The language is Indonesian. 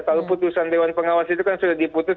kalau putusan dewan pengawas itu kan sudah diputus